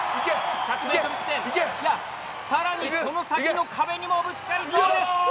１００ｍ地点いやさらにその先の壁にもぶつかりそうです。